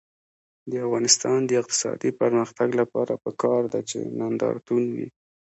د افغانستان د اقتصادي پرمختګ لپاره پکار ده چې نندارتون وي.